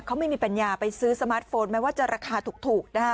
เขาไม่มีปัญญาไปซื้อสมาร์ทโฟนแม้ว่าจะราคาถูกนะคะ